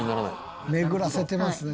巡らせてますね。